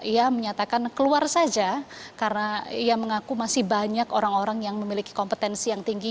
ia menyatakan keluar saja karena ia mengaku masih banyak orang orang yang memiliki kompetensi yang tinggi